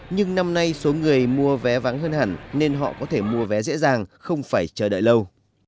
nhưng năm nay số người mua vé vắng hơn hẳn nên họ có thể mua vé dễ dàng không phải chờ đợi lâu